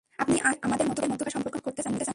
আপনি আসলে আমাদের মধ্যকার সম্পর্ক মজবুত করতে চাননি।